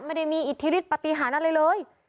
ไม่ได้มีอิทธิฤทธิ์ปฏิหารที่แหละ